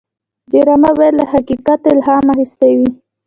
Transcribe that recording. ډرامه باید له حقیقت الهام اخیستې وي